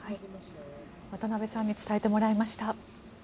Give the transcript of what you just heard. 渡辺さんに伝えてもらいました。